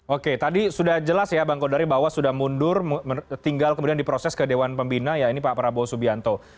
oke tadi sudah jelas ya bang kodari bahwa sudah mundur tinggal kemudian diproses ke dewan pembina ya ini pak prabowo subianto